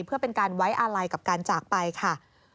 เพื่อเป็นการไว้อาลัยกับการจากไปค่ะ